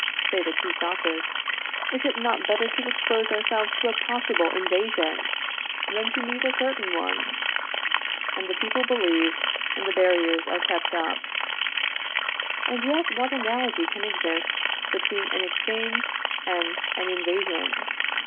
say the two Sophists; is it not better to expose ourselves to a possible invasion, than to meet a certain one? And the people believe; and the barriers are kept up. And yet what analogy can exist between an exchange and an invasion?